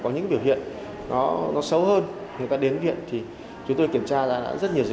chứ không chỉ tập trung